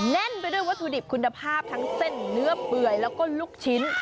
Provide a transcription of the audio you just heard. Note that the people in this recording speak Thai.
แน่นไปด้วยวัตถุดิบคุณภาพทั้งเส้นเนื้อเปื่อยแล้วก็ลูกชิ้น